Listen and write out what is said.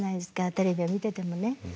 テレビを見ててもね。